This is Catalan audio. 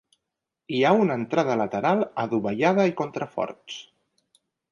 Hi ha una entrada lateral adovellada i contraforts.